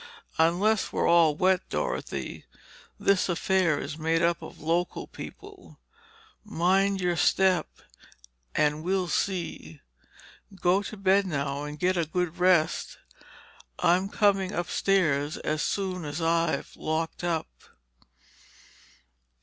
Unless we're all wet, Dorothy, this affair is made up of local people. Mind your step—and we'll see. Go to bed now and get a good rest—I'm coming upstairs as soon as I've locked up."